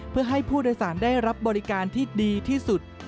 เพื่อให้ผู้โดยสารได้รับบริการที่ดีที่สุด